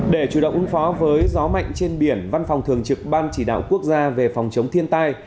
để chủ động ứng phó với gió mạnh trên biển văn phòng thường trực ban chỉ đạo quốc gia về phòng chống thiên tai